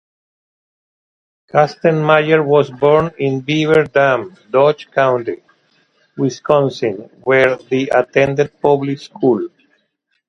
Kastenmeier was born in Beaver Dam, Dodge County, Wisconsin, where he attended public school.